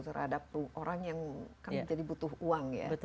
terhadap orang yang kan jadi butuh uang ya